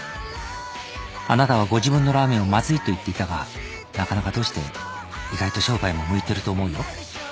「あなたはご自分のラーメンをまずいと言っていたがなかなかどうして意外と商売も向いてると思うよ」